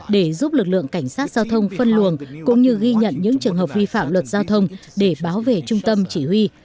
để giúp lực lượng cảnh sát giao thông phân luồng cũng như ghi nhận những trường hợp vi phạm luật giao thông để báo về trung tâm chỉ huy